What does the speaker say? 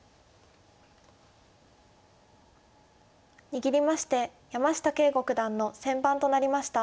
握りまして山下敬吾九段の先番となりました。